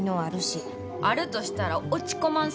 あるとしたら落ち込まん才能や。